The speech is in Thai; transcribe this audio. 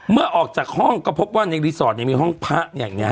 เมื่อออกจากห้องก็พบว่าในรีสอร์ทมีห้องพระอย่างนี้